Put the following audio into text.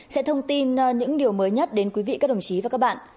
sẽ thông tin những điều mới nhất đến quý vị các đồng chí và các bạn